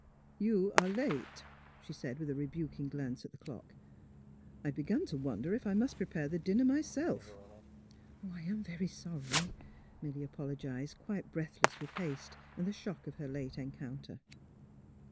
" You are late," she said, with a rebuking glance at the clock. '' I had begun to wonder if I must prepare the dinner myself." '' I am — very sorry," Milly apologised, quite breathless with haste and the shock of her late encounter.